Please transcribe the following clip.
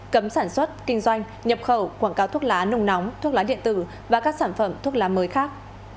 cấm sản xuất kinh doanh nhập khẩu quảng cáo thuốc lá nung nóng thuốc lá điện tử và các sản phẩm thuốc lá mới khác